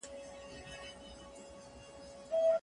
که لمر ډېر ګرم وي، موږ به تر ونې لاندې کښېنو.